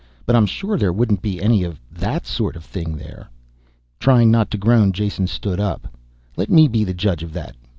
But I'm sure there wouldn't be any of that sort of thing there." Trying not to groan, Jason stood up. "Let me be the judge of that.